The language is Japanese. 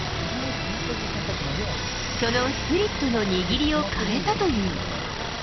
そのスプリットの握りを変えたという。